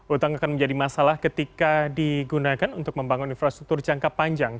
utang akan menjadi masalah ketika digunakan untuk membangun infrastruktur jangka panjang